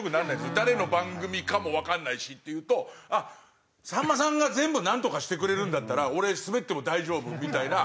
誰の番組かもわかんないしっていうとあっさんまさんが全部なんとかしてくれるんだったら俺スベっても大丈夫みたいな。